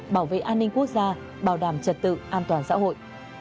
bảo vệ an ninh quốc gia bảo đảm trật tự an toàn xã hội